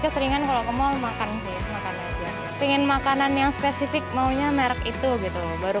keseringan kalau ke mal makan sih makan aja pengen makanan yang spesifik maunya merek itu gitu baru